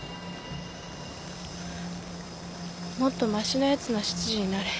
もっとましなやつの執事になれ。